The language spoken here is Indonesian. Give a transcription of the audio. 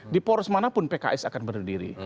di poros manapun pks akan berdiri